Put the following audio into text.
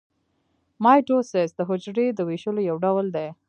مایټوسیس د حجرې د ویشلو یو ډول دی